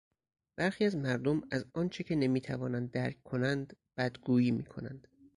برخی از مردم از آنچه که نمیتوانند درک کنند بدگویی میکنند.